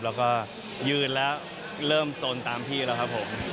แล้วก็ยืนแล้วเริ่มสนตามพี่แล้วครับผม